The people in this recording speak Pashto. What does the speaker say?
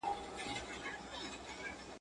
معلومه نه ده چي بوډا ته یې دی غوږ نیولی.